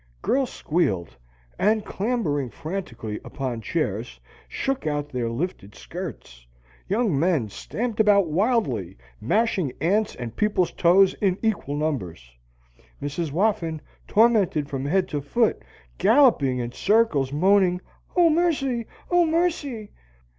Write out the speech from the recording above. Girls squealed and, clambering frantically upon chairs, shook out their lifted skirts; young men stamped about wildly, mashing ants and people's toes in equal numbers. Mrs. Whoffin, tormented from head to foot, galloped in circles, moaning, "Oh mercy! Oh mercy!"